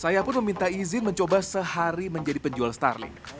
saya pun meminta izin mencoba sehari menjadi penjual starling